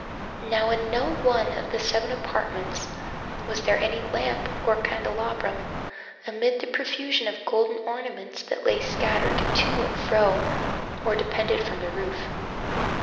Now in no one of the seven apartments was there any lamp or candelabrum, amid the profusion of golden ornaments that lay scattered to and fro or depended from the roof.